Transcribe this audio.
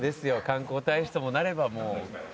観光大使ともなればもう。